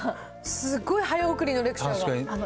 すごい早送りのレクチャーが。